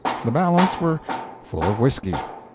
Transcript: The balance were full of whisky.